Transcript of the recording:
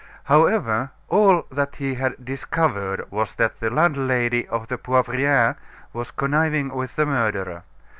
However, all that he had discovered was that the landlady of the Poivriere was conniving with the murderer.